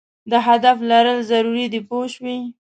د هدف لرل ضرور دي پوه شوې!.